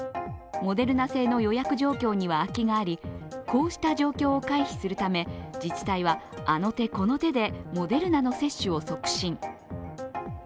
モデルナ製の予約状況には空きがあり、こうした状況を回避するため自治体は、あの手この手でモデルナの接種を促進。